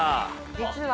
実は。